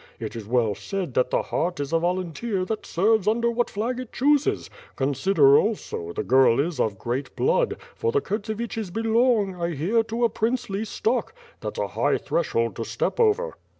It is well said that the heart is a volun teer that serves under what flag it chooses. Consider, also, the girl rs of great blood, for the Kurtseviches belong, as I hear, to a princely stock. That's a high threshold to step over!"